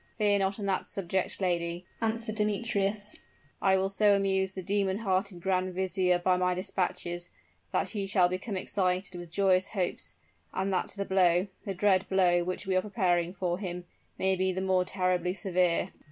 "Fear not on that subject, lady," answered Demetrius. "I will so amuse the demon hearted grand vizier by my dispatches, that he shall become excited with joyous hopes so that the blow the dread blow which we are preparing for him may be the more terribly severe."